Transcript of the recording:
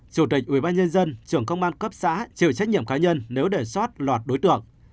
chủ tịch ubnd trưởng công an cấp xã chịu trách nhiệm khá nhân nếu để soát loạt đối tượng